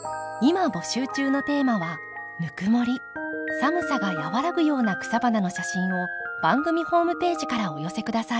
寒さが和らぐような草花の写真を番組ホームページからお寄せ下さい。